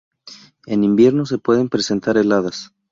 En invierno se pueden presentar heladas.